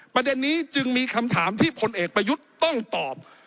ประเด็นนี้จึงมีคำถามที่พลเอกประยุทธ์ต้องตอบ